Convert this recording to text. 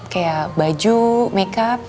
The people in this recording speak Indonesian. kayak baju makeup